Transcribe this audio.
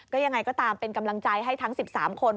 ก็ยังไงก็ตามเป็นกำลังใจให้ทั้ง๑๓คน